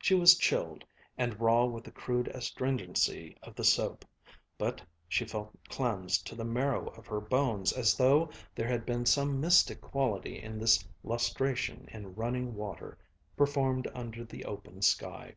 She was chilled, and raw with the crude astringency of the soap, but she felt cleansed to the marrow of her bones, as though there had been some mystic quality in this lustration in running water, performed under the open sky.